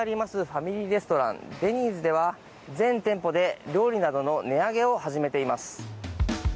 ファミリーレストランデニーズでは全店舗で料理などの値上げを始めています。